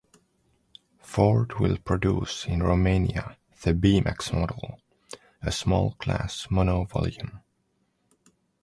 Ford will produce in Romania the B-Max model, a small class mono volume.